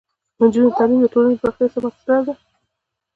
د نجونو تعلیم د ټولنې پراختیا مرسته ده.